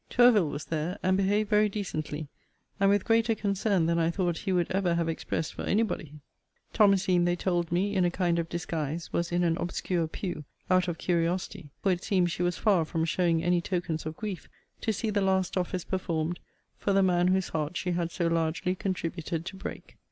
Tourville was there; and behaved very decently, and with greater concern than I thought he would ever have expressed for any body. Thomasine, they told me, in a kind of disguise, was in an obscure pew, out of curiosity (for it seems she was far from showing any tokens of grief) to see the last office performed for the man whose heart she had so largely contributed to break.